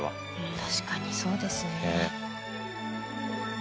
確かにそうですね。